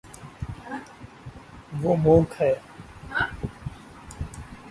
وہ مونک ہے